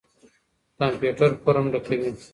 کمپيوټر فورم ډکوي.